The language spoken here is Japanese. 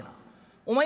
お前